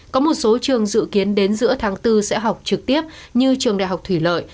có một số trường dự kiến đến giữa tháng bốn sẽ học trực tiếp như trường đại học thủy lợi